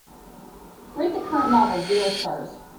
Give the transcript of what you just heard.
rate the current novel zero stars